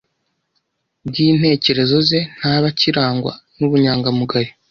bw’intekerezo ze, ntabe akirangwa n’ubunyangamugayo.